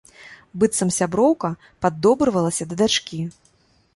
Быццам сяброўка, паддобрывалася да дачкі.